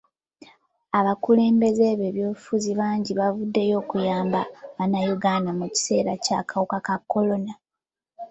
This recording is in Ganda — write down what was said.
Abakulembeze b'ebyobufuzi bangi bavuddeyo okuyamba bannayuganda mu kiseera ky'akawuka ka kolona.